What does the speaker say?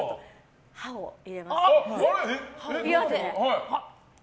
歯を入れますね。